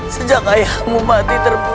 sejak ayahmu mati terbunuh